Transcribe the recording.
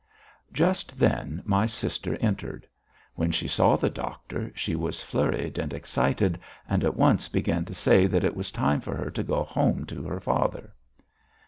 Just then my sister entered. When she saw the doctor, she was flurried and excited, and at once began to say that it was time for her to go home to her father.